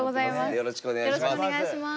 よろしくお願いします。